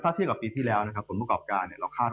ถ้าเที่ยวกับปีที่แล้วนะครับของผลประกอบการ